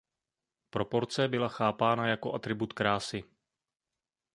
Proporce byla chápána jako atribut krásy.